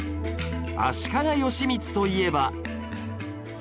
足利義満といえば